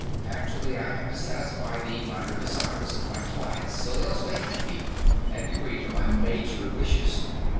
Actually, I have to satisfy the minor desires of my clients, so they'll stay happy and agree to my major wishes.